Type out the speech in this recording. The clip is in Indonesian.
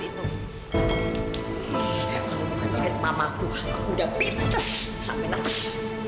ih kalau bukan jilat mamaku aku udah pites sampe nates